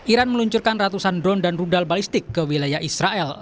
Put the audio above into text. iran meluncurkan ratusan drone dan rudal balistik ke wilayah israel